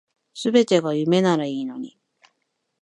全てが夢ならいいのに